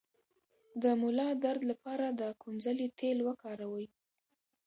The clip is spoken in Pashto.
د ملا درد لپاره د کونځلې تېل وکاروئ